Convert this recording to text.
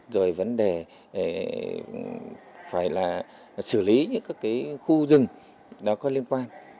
rồi vấn đề phải là xử lý những cái khu rừng đó có liên quan